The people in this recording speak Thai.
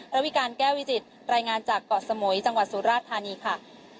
ระวิการแก้ววิจิตรายงานจากเกาะสมุยจังหวัดสุราชธานีค่ะ